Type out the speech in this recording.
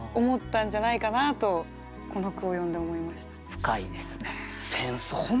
深いですね。